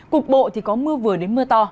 cục bộ thì có mưa vừa đến mưa to